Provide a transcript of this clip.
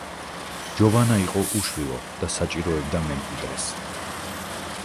ჯოვანა იყო უშვილო და საჭიროებდა მემკვიდრეს.